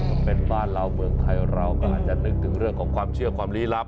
ถ้าเป็นบ้านเราเมืองไทยเราก็อาจจะนึกถึงเรื่องของความเชื่อความลี้ลับ